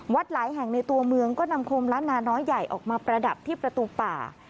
หลายแห่งในตัวเมืองก็นำโคมล้านนาน้อยใหญ่ออกมาประดับที่ประตูป่า